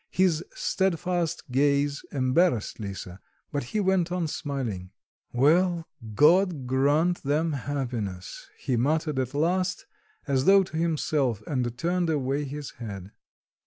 His steadfast gaze embarrassed Lisa, but he went on smiling. "Well, God grant them happiness!" he muttered at last, as though to himself, and turned away his head.